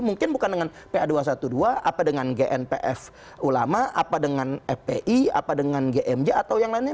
mungkin bukan dengan pa dua ratus dua belas apa dengan gnpf ulama apa dengan fpi apa dengan gmj atau yang lainnya